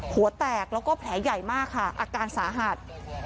หัวแตกแล้วก็แผลใหญ่มากค่ะอาการสาหัส